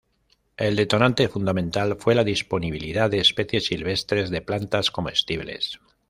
El detonante fundamental fue la disponibilidad de especies silvestres de plantas comestibles.